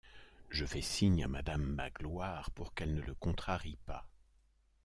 Je fais signe à madame Magloire pour qu’elle ne le contrarie pas.